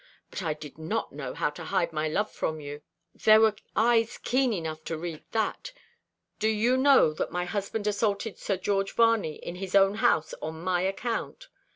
"But I did not know how to hide my love for you. There were eyes keen enough to read that. Do you know that my husband assaulted Sir George Varney in his own house on my account?"